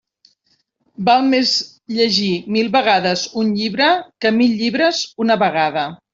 Val més llegir mil vegades un llibre que mil llibres una vegada.